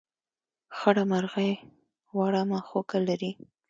خړه مرغۍ وړه مښوکه لري.